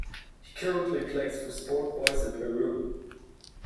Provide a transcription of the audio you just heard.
He currently plays for Sport Boys in Peru.